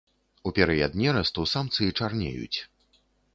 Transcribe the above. У перыяд нерасту самцы чарнеюць.